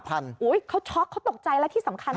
เขาช็อกเขาตกใจและที่สำคัญ